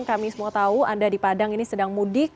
kami semua tahu anda di padang ini sedang mudik